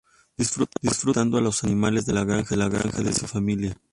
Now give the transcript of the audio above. Disfruta molestando a los animales de la granja de su familia.